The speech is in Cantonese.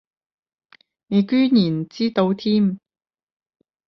你居然知道添